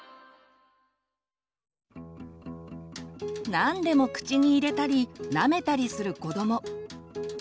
何でも口に入れたりなめたりする子ども。